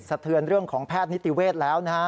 เทือนเรื่องของแพทย์นิติเวศแล้วนะฮะ